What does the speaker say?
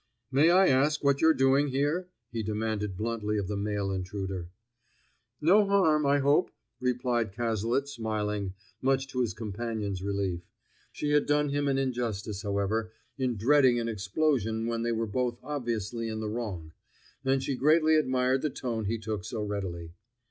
"May I ask what you're doing here?" he demanded bluntly of the male intruder. "No harm, I hope," replied Cazalet, smiling, much to his companion's relief. She had done him an injustice, however, in dreading an explosion when they were both obviously in the wrong, and she greatly admired the tone he took so readily.